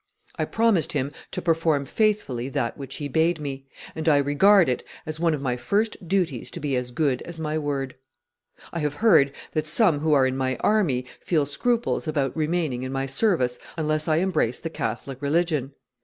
I promised him to perform faithfully that which he bade me, and I regard it as one of my first duties to be as good as my word. I have heard that some who are in my army feel scruples about remaining in my service unless I embrace the Catholic religon.